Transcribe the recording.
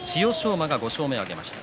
馬が５勝目を挙げました。